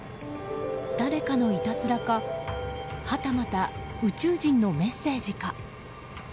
誰かのいたずらかはたまた宇宙人のメッセージか。